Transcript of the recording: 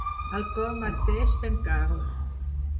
Al cor mateix d'en Carles.